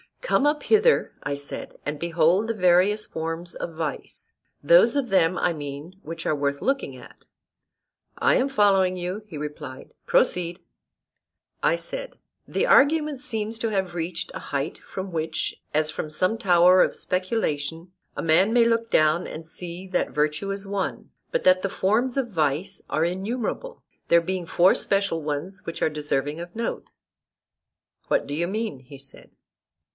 Come up hither, I said, and behold the various forms of vice, those of them, I mean, which are worth looking at. I am following you, he replied: proceed. I said, The argument seems to have reached a height from which, as from some tower of speculation, a man may look down and see that virtue is one, but that the forms of vice are innumerable; there being four special ones which are deserving of note. What do you mean? he said.